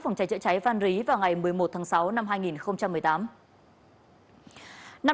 phòng cháy chữa cháy van rí vào ngày một mươi một tháng sáu năm hai nghìn một mươi tám